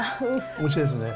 おいしいですね。